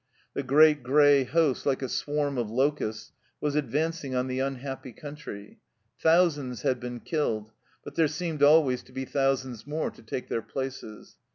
The great grey host, like a swarm of locusts, was advancing on the unhappy country ; thousands had been killed, but there seemed always to be thousands more to take their places.